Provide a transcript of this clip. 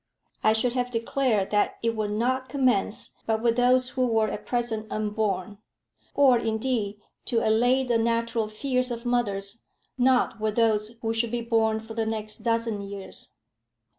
I should have declared that it would not commence but with those who were at present unborn; or, indeed, to allay the natural fears of mothers, not with those who should be born for the next dozen years.